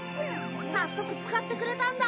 さっそくつかってくれたんだ。